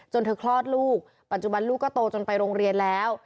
เธอคลอดลูกปัจจุบันลูกก็โตจนไปโรงเรียนแล้ว